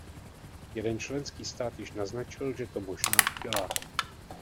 Jeden členský stát již naznačil, že to možná udělá.